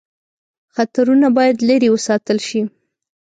خطرونه باید لیري وساتل شي.